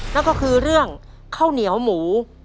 นั่นก็คือเรื่องข้าวเหนียวหมู